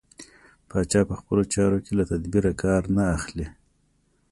پاچا په خپلو چارو کې له تدبېره کار نه اخلي.